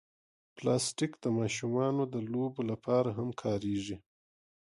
پلاستيک د ماشومانو د لوبو لپاره هم کارېږي.